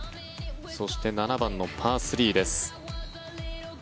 そして７番のパー３です。